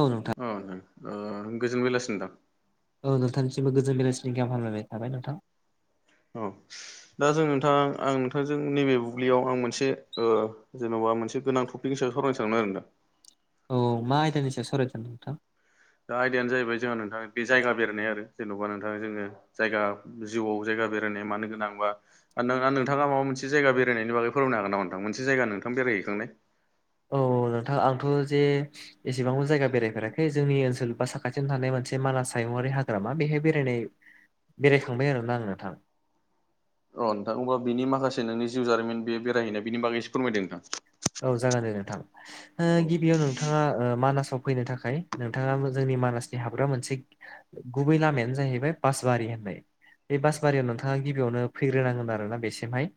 औ नोंथां। अ ओ गोजोन बेलासि नोंथां। औ नोंथांनिसिमबो गोजोन बेलासिनि गाहाम हामलायनाय थाबाय नोंथां। अ दा जों नोंथां आं नोंथांजों नैबे बुब्लियाव आं मोनसे ओ जेन'बा मोनसे गोनां टपिकनि सायाव सावरायनो सानदोंमोन आरो नोंथां। औ मा आयदानि सायाव सावरायदों नोंथां। दा आयदायानो जाहैबाय जोंहा नोंथां बे जायगा बेरायनाय आरो जेन'बा नोंथां जोङो जायगा जिउआव जायगा बेरायनाय मानो गोनांबा नोंथांआ माबा मोनसे जायगा बेरायनायनि बागै फोरमायनो हागोन नामा नोथां मोनसे जायगा नोंथां बेरायहैखांनाय। औ नोंथां आंथ' जे एसेबांबो जायगा बेरायफेराखै जोंनि ओनसोल बा साखाथियाव थानाय मोनसे मानास हायुङारि हाग्रामा बेहाय बेरायनाय बेरायखांबाय आरोना आं नोंथां। अ नोंथां अब्ला बिनि माखासे नोंनि जिउ जारिमिन बे बेरायहैनाय बेनि बागै एसे फोरमायदो नोंथां। औ जागोन दे नोंथां ओ गिबियाव नोंथां नोंथाङा ओ मानासाव फैनो थाखाय नोंथाङा जोंनि मानासनि हाबग्रा मोनसे गुबै लामायानो जाहैबाय बासबारि होननाय बे बासबारियाव नोंथाङा गिबियावनो फैग्रोनांगोन आरोना बेसिमहाय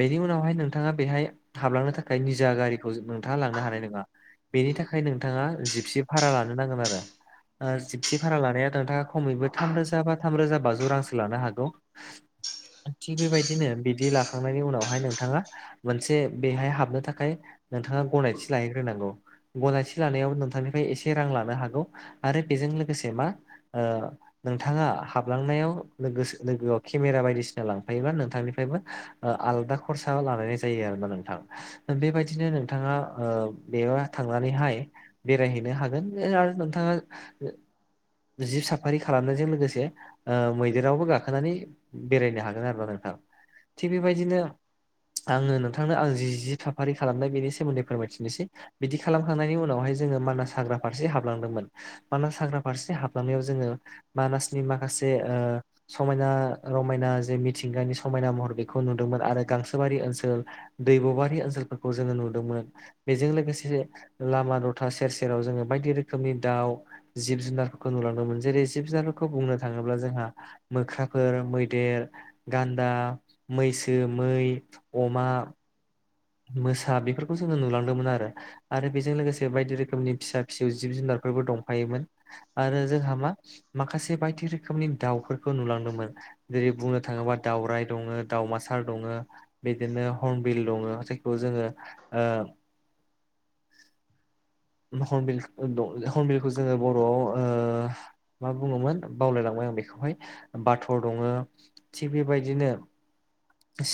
बेनि उनावहाय नोंथाङा बेहाय हाबलांनो थाखाय निजा गारिखौ नोंथाङा लांनो हानाय नङा। बेनि थाखाय नोंथाङा जिपसि भारा लानो नांगोन आरो। ओ जिपसि भारा लानाया नोंथाङा खमैबो थाम रोजा बा थामरोजा बाजौ रांसो लानो हागौ। थिग बेबायदिनो बिदि लाखांनायनि उनावहाय नोंथाङा मोनसे बेहाय हाबनो थाखाय नोंथाङा गनायथि लाहैग्रोनांगौ। गनायथि लानायाव नोंथांनिफ्राय एसे रां लानो हागौ आरो बेजों लोगोसे मा ओ नोंथाङा हाबलांनायाव [unintelligible] लोगोआव केमेरा बायदिसिना लांफायोबा नोंथांनिफ्रायबो ओ आलदा खरसा लानाय जायो आरो ना नोंथां। बेबायदिनो नोंथाङा ओ बेयाव थांनानैहाय बेरायहैनो हागोन ओ आरो नोंथाङा जिब साफारि खालामनायजों लोगोसे ओ मैदेरावबो गाखोनानै बेरायनो हागोन आरो ना नोंथां थिग बेबायदिनो आङो नोंथांनो आं जि जिथा फारि खालामनाय बेनि सोमोन्दै फोरमायथिनोसै बिदि खालामखांनायनि उनावहाय जोङो मानास हाग्रा फारसे हाबलांदोंमोन। मानास हाग्रा फारसे हाबलांनायाव जोङो मानासनि माखासे ओ समायना रमायना जे मिथिंगानि समायना महर बेखौ नुदोंमोन आरो गांसोबारि ओनसोल दैबबारि ओनसोलफोरखौ जोङो नुदोंमोन। बेजों लोगोसे लामा दथा सेर सेराव जोङो बायदि रोखोमनि दाउ जिब जुनारफोरखौ नुलांदोंमोन जेरै जिब जुनारफोरखौ बुंनो थाङोब्ला जोंहा मोख्राफोर मैदेर गान्दा मैसो मै अमा मोसा बिफोरखौ जोङो नुलांदोंमोन आरो आरो बेजों लोगोसे बायदि रोखोमनि फिसा फिसौ जिब जुनारफोरबो दंफायोमोन आरो जोंहा मा माखासे बायदि रोखोमनि दाउफोर खौ नुलांदोंमोन जेरै बुंनो थाङोबा दावराय दङो दावमासार दङो बिदिनो हरनबिल दङो जाय खौ जोङो ओ [inaudible] हमबिल खो दङो हमबिलखौ जोङो बर'आव ओ मा बुङोमोन बावलायलांबाय आं बेखौहाय बाथ' दङो थिग बेबायदिनो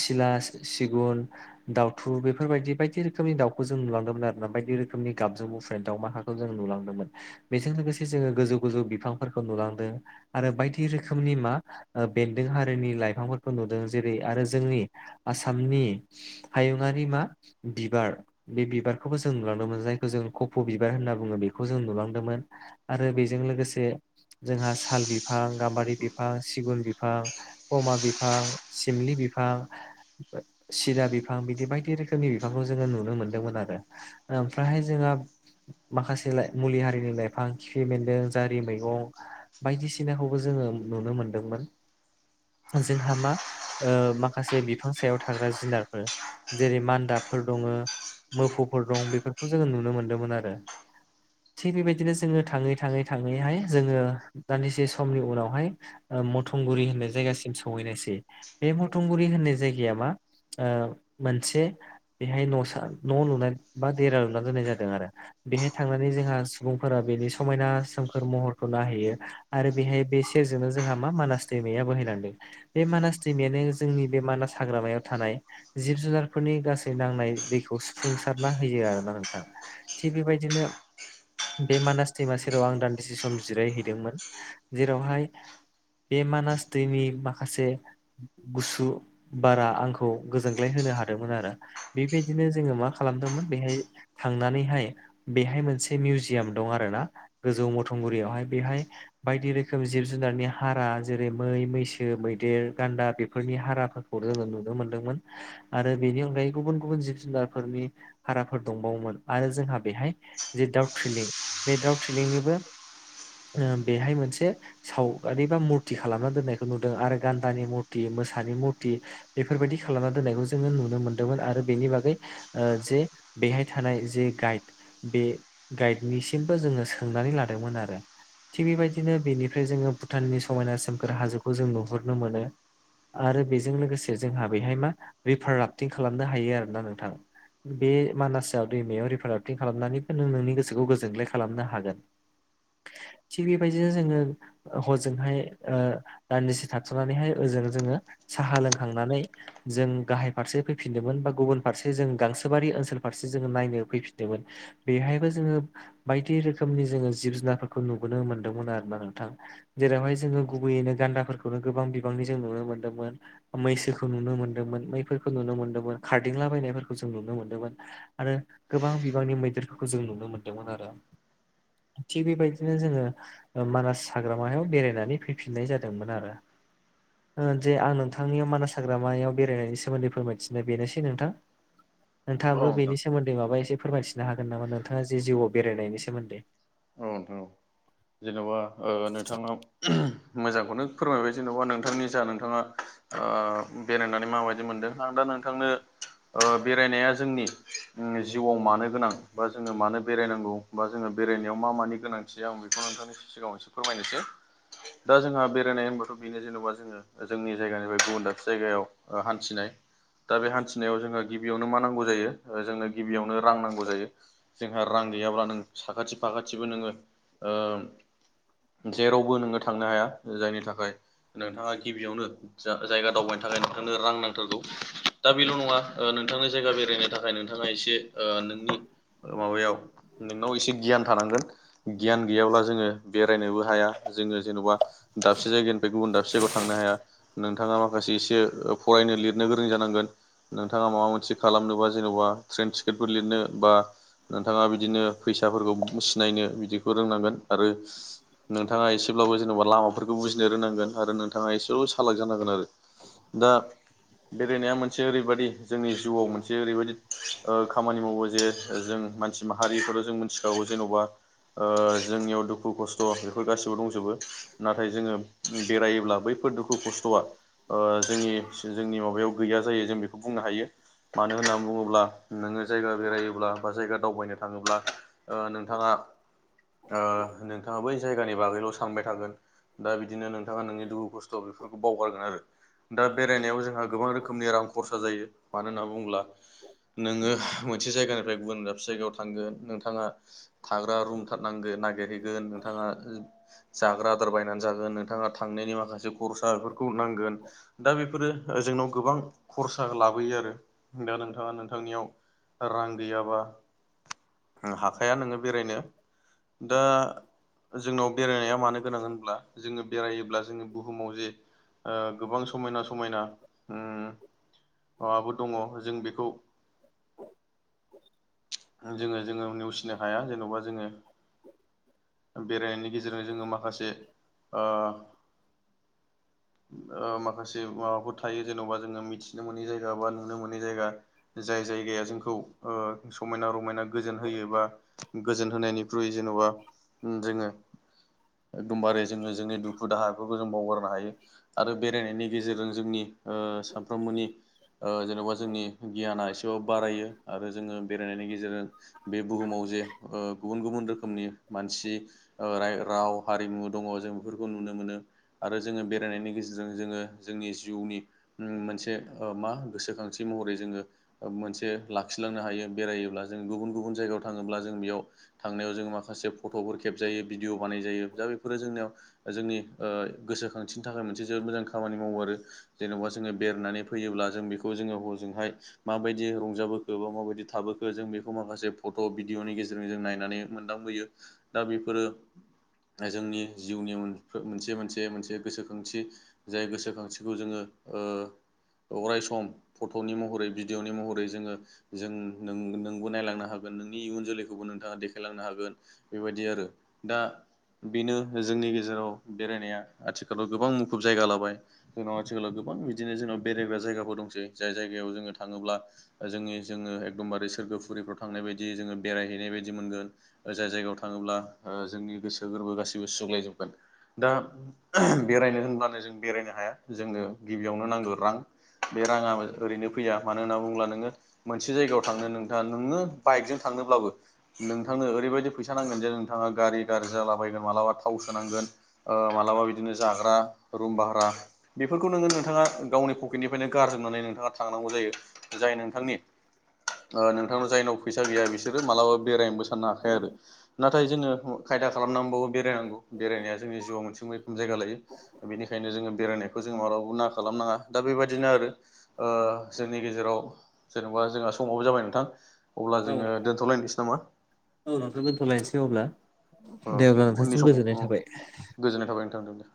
सिला सि-सिगुन दाउ थु बेफोरबायदि बायदि रोखोमनि दाउखौ जों नुलांदोंमोन आरोना बायदि रोखोमनि गाबजों गु बुंफुनाय दाउमाखाखौ जों नुलांदोंमोन बेजों लोगोसे जोङो गोजौ गोजौ बिफांफोरखौ नुलांदो आरो बायदि रोखोमनि मा ओ बेन्दों हारिनि लाइफांफोरखौ नुदों जेरै आरो जोंनि आसामनि हायुंआारि मा बिबार बे बिबारखौबो जों नुलांदोंमोन जायखौ जों कफ' बिबार होनना बुङो बेखौ जों नुलांदोंमोन। आरो बेजों लोगोसे जोंहा साल बिफ फां गाम्बारि बिफां, सिगुन बिफां, पमा बिफां, सिमलि बिफां सिराबिक फां बिदि बायदि रोखोमनि बिफांखौ जोङो नुनो मोन्दोंमोन आरो ओमफ्रायहाय जोंङो माखासे लाय मुलि हारिनि लाइफां खिफि बेन्दों जारि मैगं बायदिसिनाखौबो जोङो नुनो मोनदोंमोन। जोंहा मा ओ माखासे बिफां सायाव थाग्रा जुनारफोर जेरै मान्दाबफोर दङ मोफौफोर दं बेफोरखौ जोङो नुनो मोनदोंमोन आरो थिग बेबायदिनो जोङो थाङै थाङै थाङैहाय जोङो दान्दिसे समनि उनावहाय ओ मथंगुरि होननाय जायगासिम सहैनायसै बे मथंगुरि होननाय जायगाया मा ओ मोनसे बेहाय न'सा न' लुनाय बा देरा लुना दोननाय जादों आरो बेहाय थांनानै जोंहा सुबुंफोरा बेनि समायना सोमखोर महरखौ नायहैयो आरो बेहाय बे सेरजोंनो जोंहा मा मानास दैमाया बोहैलांदों। बे मानास दैमायानो जोंनि बे मानास हाग्रामायाव थानाय जिब जुनारफोरनि गासै नांनाय दैखौ सुफुंसारना होयो आरोना नोंथां थिग बेबायदिनो बे मानास दैमा सेराव आं दान्दिसे सम जिरायहैदोंमोन जेरावहाय बे मानास दैनि माखासे गुसु बारा आंखौ गोजोनग्लाय होनो हादोंमोन आरो बेबायदिनो जोङो मा खालामदोंमोन बेहाय थांनानैहाय बेहाय मोनसे मिउजियाम दं आरोना गोजौ मथंगुरियावहाय बेहाय बायदि रोखोम जिब जुनारनि हारा जेरै मै मैसो मैदेर गान्दा बेफोरनि हाराफो खौ जोङो नुनो मोन्दोंमोन आरो बेनि अनगायै गुबुन गुबुन जिब जुनारफोरनि हाराफोर दंबावोमोन आरो जोंहा बेहाय जे दउ थिलिं बे दाउ थ्रिलिंनिबो ओ बेहाय मोनसे सावगारि बा मुरथि खालामना दोननायखौ नुदों आरो गान्दानि मुरथि मोसानि मुरथि बेफोरबायदि खालामना दोननायखौ जोङो नुनो मोन्दोंमोन आरो बेनि बागै ओ जे बेहाय थानाय जे गाइड बे गाइडनिसिमबो जोङो सोंनानै लादोंमोन आरो। थिग बेबायदिनो बेनिफ्राय जोङो भुटाननि समायना सोमखोर हाजोखौ जों नुहुरनो मोनो। आरो बेजों लोगोसे जोंहा बेहाय मा रिभार राफ्टिं खालामनो हायो आरोना नोंथां। बे मानासाव दैमायाव रिफार राफथिं खालामनानैबो नों नोंनि गोसोखौ गोजोनग्लाय खालामनो हागोन। [inaudible] थिग बेबायदिनो जोङो हजोंहाय ओ दान्दिसे थाथनानैहाय ओजों जोङो साहा लोंखांनानै जों गाहाय फारसे फैफिनदोंमोन बा गुबुन फारसे जों गांसोबारि ओनसोल फारसे जोङो नायनो फैफिनदोंमोन। बेहायबो जोङो बायदि रोखोमनि जोङो जिब जुनारफोरखौ नुबोनो मोनदोंमोन आरोना नोंथां। जेरावहाय जोङो गुबैयैनो गान्दाफोरखौनो गोबां बिबांनि जों नुनो मोन्दोंमोन। मैसो खौ नुनो मोनदोंमोन मैफोरखौ नुनो मोन्दोंमोन खारदिंलाबायनायफोरखौ जों नुनो मोन्दोंमोन। आरो गोबां बिबांनि मैदेरफोरखौ जों नुनो मोन्दोंमोन आरो। थिग बेबायदिनो जोङो मानास हाग्रामायाव बेरायनानै फैफिननाय जादोंमोन आरो। ओ जे आं नोंथांनियाव मानास हाग्रामायाव बेरायनायनि सोमोन्दै फोरमायथिनाय बेनोसै नोंथां। औ नोंथाङाबो बेनि नोंथां सोमोन्दै माबा एसे फोरमायथिननो हागोन नामा नोंथाङा जे जिउआव बेरायनायनि सोमोन्दै? औ नोंथां ओ। जेन'बा ओ नोंथाङा मोजांखौनो फोरमायबाय जेन'बा नोंथांनि जा नोंथाङा आ बेरायनानै माबायदि मोनदों आं दा नोंथांनो ओ बेरायनाया जोंनि जिउआव मानो गोनां बा जोङो मानो बेरायनांगौ बा जोङो बेरायनायाव मा मानि गोनांथि दं आं बेखौ नोंथांनि सिगाङाव एसे फोरमायनोसै। दा जोंहा बेरायनाय होनबाथ' बेनो जेनबा जोङो जोंनि जायगानिफ्राय गुबुन दाबसे जायगायाव ओ हान्थिनाय दा बे हान्थिनायाव जोंनो गिबियावनो मा नांगौ जायो जोंनो गिबियावनो रां नांगौ जायो। जोंहा रां गैयाब्ला नों साखाथि फाखाथिबो नोङो ओ जेरावबो नोङो थांनो हाया। जायनि थाखाय नोंथाङा गिबियावनो जायगा दावबायनो थाखाय नोंथांनो रां नांथारगौ। दा बेल' नङा नोंथांनो जायगा बेरायनो थाखाय नों नोंथाङा एसे ओ नोंनि माबायाव नोंनाव एसे गियान थानांगोन। गियान गैयाब्ला जोङो बेरायनोबो हाया जोङो जेन'बा दाबसे जायगानिफ्राय गुबुन दाबसे जायगा थांनो हाया। नोंथाङा माखासे एसे फरायनो लिरनो गोरों जानांगोन। नोंथाङा माबा मोनसे खालामनोबा जेन'बा ट्रेन टिकेटफोर लिरनो बा नोंथाङा बिदिनो फैसाफोरखौ सिनायनो बिदिखौ रोंनांगोन आरो नोंथाङा एसेब्लाबो जेनेबा लामाफोरखौ बुजिनो रोंनांगोन आरो नोंथाङा एसेबाबो सालाक जानांगोन आरो। दा बेरायनाया मोनसे ओरैबायाददि जोंनि जिउआव मोनसे ओरैबायदि खामानि मावो जे जों मानसि माहारिखौल' जों मिथिखागौ जेन'बा ओ जोंनियाव दुखु खस्थ' बेफोर गाैबो दंजोबो। नाथाय जोङो बेरायोब्ला बैफोर दुखु खस्थ'आ ओ जोंनि जोंनि माबायाव गैया जायो जों बेखौ बुंनो हायो। मानो होनना बुङोब्ला नोङो जायगा बेरायोब्ला बा जायगा दावबायनो थाङोब्ला ओ नोंथाङा ओ नोंथाङा बै जायगानि बागैल' सानबाय थागोन। दा बिदिनो नोंथाङा नोंनि दुखु खस्थ' बेफोरखौ बावगारगोन आरो दा बेरायनायाव जोंहा गोबां रोखोमनि रां खरसा जायो। मानो होनना बुङोब्ला नोंङो मोनसे जायगानिफ्राय गुबुन दाबसे जायगायाव थांगोन नोंथाङा थाग्रा रुम थारनांगोन नागिरहैगोन नोंथाङा जाग्रा आदार बायनानै जागोन नोंथाङा थांनायनि माखासे खरसा बेफोरखौ नांगोन। दा बेफोरो जोंनाव गोबां खरसा लाबोयो आरो दा नोंथाङा नोंथांनियाव रां गैयाबा दा जोंनाव बेरायनाया मानो गोनां होनब्ला जोंङो बेरायोब्ला जोंङो बुहुमाव जे गोबां समायना समायना ओम माबाबो दङ जों बेखौ जोंङो जोंङो नेवसिनो हाया जेन'बा जोंङो बेरायनायनि गेजेरजों जोंङो माखासे ओ माखासे माबाफोर थायो जेन'बा जोंङो मिथिनो मोनै जायगा बा नुनो मोनै जायगा जाय जायगाया जोंखौ ओ समायना रमायना गोजोन होयो बा गोजोन होनायनि ख्रुइ [unintelligible] जोंङो एखदमबारे जोंङो जोंनि दुखु दाहाफोरखौ जों बावगारनो हायो। आरो बेरायनायनि गेजेरजों जोंनि ओ सफ्रोमबोनि ओ जेन'बा जोंनि गियाना एसेब बारायो आरो जोंङो बेरायनायनि गेजेरजों बे बुहुमाव जे गुबुन गुबुन रोखोमनि मानसि ओ राय राव हारिमु दङ जों बेफोरखौ नुनो मोनो। आरो जोंङो बेरायनायनि गेजेरजों जोंङो जोंनि जिउनि ओम मोनसे ओ मा गोसोखांथि महरै जोंङो मोनसे लाखिलांनो हायो बेरायोब्ला जों गुबुन गुबुन जायगायाव थाङोब्ला जोंबियाव थांनायाव जों मखासे फट फोरखेब जायो भिदिअ बानायायो दा फोरो जोंनियाव जोंनि ओ गोसोखांथिनि थाखाय मोनसे जोबोद मोजां खामानि मावो आरो जेनेबा जोंङो बेरायनानै फैयोब्ला जों बेखौ जोंङो हजोंहाय माबायदि रंजाबोखो बा माबायदि थाबोखो जों बेखौ माखासे फट' बि भिडअ नि गेजेरजों जों नायनानै मोनदांबोयो दा बेफोरो ओ जोंनि जिउनि मोनसे मोनसे मोनसे गोसोखांथि जाय गोसोखांथिखौ जोंङो अराय सम फट'नि महरै भिडिअ'नि महरै जोंङो जों नोंबो नायलांनो हागोन नों नि इयुन जोलैखौबो नोंथाङा देखायलांनो हागोन बेबायदि आरो दा बेनो जोंनि गेजेराव बेरायनाया आथिखालाव गोबां मुखुब जायगा लाबाय। जोंनाव आथिखालाव गोबां बिदिनो जोंनाव बेरायग्रा जायगाफोर दंसै जाय जायगायाव जोंङो थाङोब्ला जोंनि जोंङो एखदमबारे सोरगोफुरिफ्राव थांनाय बायदि जोंङो बेरायहैनाय बायदि मोनगोन। जाय जायगायाव थाङोब्ला ओ जोंनि गोसो गोरबो गासैबो सुग्लायजोबगोन दा बेरायनो होनब्लानो जों बेरायनो हाया जोंनो गिबियावनो नांगौ रां। बे राङा ओरैनो फैया मानो होनना बुङोब्ला नोंङो मोनसे जायगायाव थांनो नोंथां नोंनो बाइकजों थांनोब्लाबो नोंथांनो ओरैबायदि फैसा नांगोन जे नोंथाङा गारि गाज्रि जालाबायगोन मालाबा थाव सोनांगोन। ओ मालाबा बिदिनो जाग्रा रुम भारा बेफोरखौ नोंङो नोंथाङा गावनि पकेटनिफ्रायनो गारजोबनानै नोंथाङा थांनांगौ जायो। जाय नोंथांनि ओ नोंथांनाव जाय न' फैसा गैया बिसोरो मालाबा बेरायनोबो साननो हाखाया आरो नाथाय जोंङो खायदा खालामनांबो बेरायनांगौ बेरायनाया जोंनि जिउआव मोनसे मैखोम जायगा लायो। बेनिखायनो जोंङो बेरायनायखौ जोंङो मालाबाबबो ना खालानो नांङा दा बेबायदिनो आरो जोंनि गेजेराव जेनेबा जोंहा समावबो जाबाय नोंथां। अब्ला औ जोङो नोंथां दोनथ'लायनोसै नामा? औ नोंथां दोनथ'लायनोसै अब्ला अ दे अब्ला उननि नोंथांसिम समाव गोजोननाय अ थाबाय गोजोननाय थाबाय नोंथां दे।